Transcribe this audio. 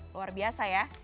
luar biasa ya